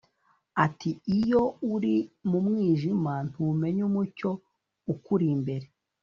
Ati “iyo uri mu mwijima ntumenya umucyo ukuri imbere